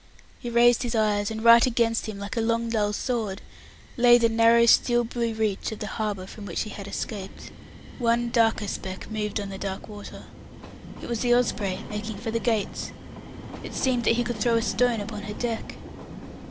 He raised his eyes, and right against him, like a long dull sword, lay the narrow steel blue reach of the harbour from which he had escaped. One darker speck moved on the dark water. It was the Osprey making for the Gates. It seemed that he could throw a stone upon her deck.